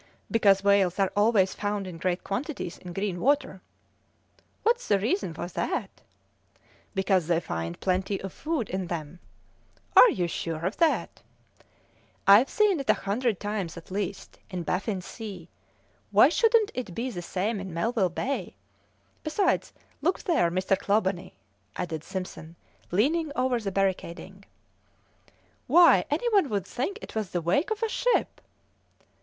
"Because whales are always found in great quantities in green water." "What's the reason of that?" "Because they find plenty of food in them." "Are you sure of that?" "I've seen it a hundred times, at least, in Baffin Sea; why shouldn't it be the same in Melville Bay? Besides, look there, Mr. Clawbonny," added Simpson, leaning over the barricading. "Why any one would think it was the wake of a ship!"